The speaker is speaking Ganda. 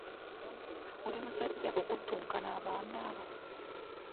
Oli musajja okuttunka n'abaami abo!